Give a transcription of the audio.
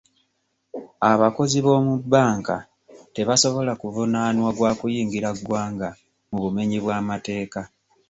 Abakozi b'omu bbanka tebasobola kuvunaanwa gwa kuyingira ggwanga mu bumenyi bw'amateeka.